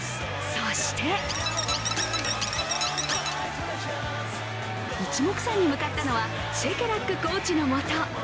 そして一目散に向かったのはシェケラックコーチのもと。